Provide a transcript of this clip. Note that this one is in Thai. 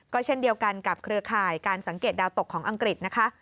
ก็เช่นเดียวกันกับเครือข่ายการสังเกตดาวตกของอังกฤษนะคะ